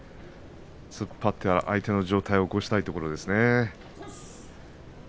突っ張って相手の上体を起こしたいところですね。